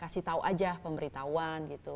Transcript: kasih tahu aja pemberitahuan gitu